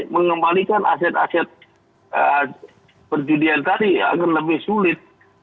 mengembalikan aset aset perjudian tadi agar lebih sulit